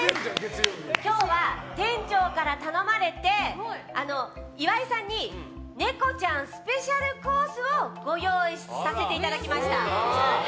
今日は店長から頼まれて岩井さんにネコちゃんスペシャルコースをご用意させていただきました。